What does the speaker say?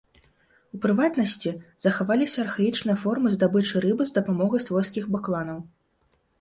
У прыватнасці, захаваліся архаічныя формы здабычы рыбы з дапамогай свойскіх бакланаў.